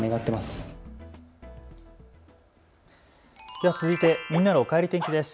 では続いてみんなのおかえり天気です。